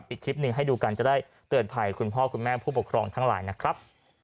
อีกคลิปหนึ่งให้ดูกันจะได้เตือนภัยคุณพ่อคุณแม่ผู้ปกครองทั้งหลายนะครับ